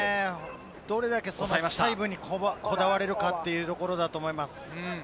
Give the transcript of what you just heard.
どれだけ細部にこだわれるかというところだと思います。